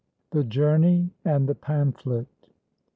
THE JOURNEY AND THE PAMPHLET.